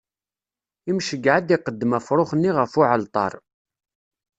Imceyyeɛ ad iqeddem afṛux-nni ɣef uɛalṭar.